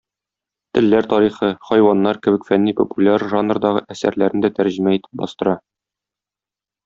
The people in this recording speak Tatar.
"Телләр тарихы", "Хайваннар" кебек фәнни-популяр жанрдагы әсәрләрне дә тәрҗемә итеп бастыра.